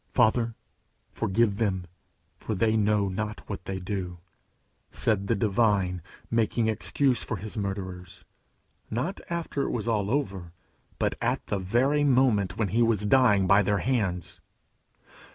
"Father, forgive them, for they know not what they do," said the Divine, making excuse for his murderers, not after it was all over, but at the very moment when he was dying by their hands.